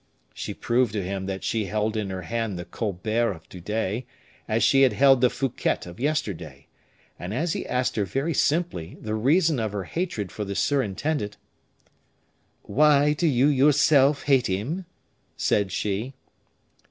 She proved to him that she held in her hand the Colbert of to day, as she had held the Fouquet of yesterday; and as he asked her very simply the reason of her hatred for the surintendant: "Why do you yourself hate him?" said she.